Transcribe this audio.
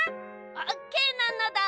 オーケーなのだ。